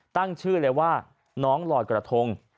ตั้งชื่อเลยว่าน้องลอยกระทง